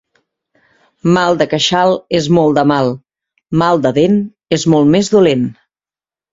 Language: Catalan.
Mal de queixal és molt de mal; mal de dent és molt més dolent.